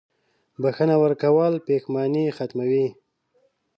• بښنه ورکول پښېماني ختموي.